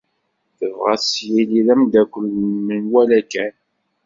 Tebɣa ad s-yili d amdakel n menwala kan.